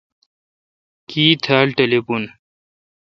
کی تھال ٹلیفون ۔